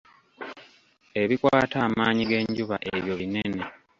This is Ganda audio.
Ebikwata amaanyi g'enjuba ebyo binnene.